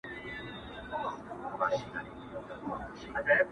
په فکر تېروي،